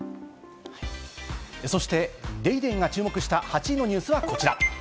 そして『ＤａｙＤａｙ．』が注目した８位のニュースは、こちら。